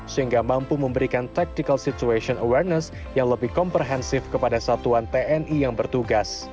sehingga mampu memberikan tactical situation awareness yang lebih komprehensif kepada satuan tni yang bertugas